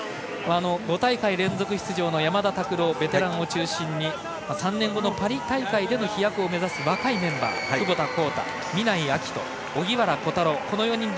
５大会連続出場の山田拓朗ベテランを中心に３年後のパリ大会での飛躍を目指す若いメンバー窪田幸太、山田拓朗、南井瑛翔